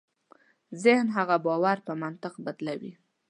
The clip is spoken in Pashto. ذهن هغه باور په منطق بدلوي.